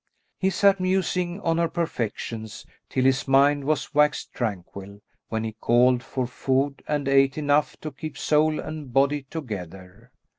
He sat musing on her perfections till his mind waxed tranquil, when he called for food and ate enough to keep soul and body together.